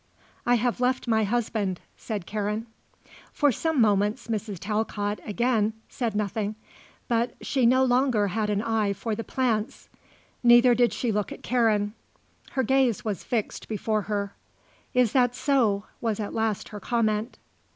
"I have left my husband," said Karen. For some moments, Mrs. Talcott, again, said nothing, but she no longer had an eye for the plants. Neither did she look at Karen; her gaze was fixed before her. "Is that so," was at last her comment.